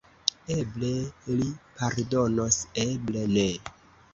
Eble li pardonos, eble ne.